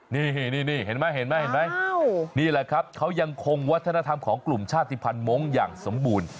นี่เห็นไหมเห็นไหมเห็นไหมนี่แหละครับเขายังคงวัฒนธรรมของกลุ่มชาติภัณฑ์มงค์อย่างสมบูรณ์